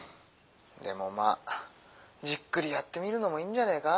でもまあじっくりやってみるのもいいんじゃねえか。